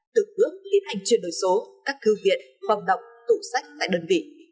tự hướng liên hành chuyển đổi số các thư viện phòng đọc tủ sách tại đơn vị